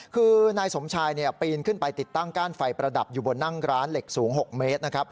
คือนายสมชายปีนขึ้นไปติดตั้งก้านไฟประดับอยู่บนนั่งร้านเหล็กสูง๖เมตรนะครับ